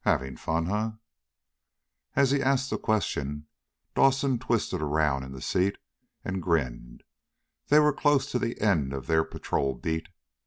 Having fun, huh?" As he asked the questions Dawson twisted around in the seat and grinned. They were close to the end of their patrol "beat."